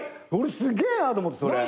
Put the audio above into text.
すげえなと思ってそれ。